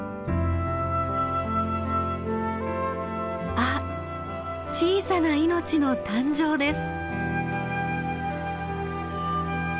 あっ小さな命の誕生です。